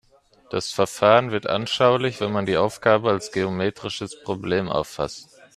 Das Verfahren wird anschaulich, wenn man die Aufgabe als geometrisches Problem auffasst.